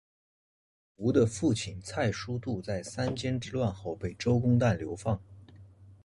胡的父亲蔡叔度在三监之乱后被周公旦流放。